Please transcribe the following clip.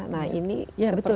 nah ini seperti itu